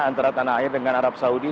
antara tanah air dengan arab saudi